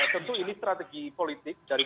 tentu ini strategi politik dari